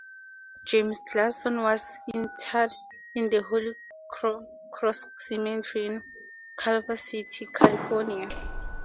James Gleason was interred in the Holy Cross Cemetery in Culver City, California.